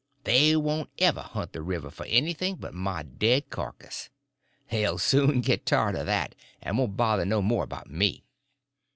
They won't ever hunt the river for anything but my dead carcass. They'll soon get tired of that, and won't bother no more about me.